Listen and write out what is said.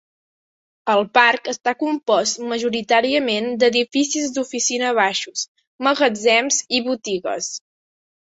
El parc està compost majoritàriament d'edificis d'oficina baixos, magatzems i botigues.